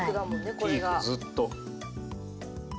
ピークずっと。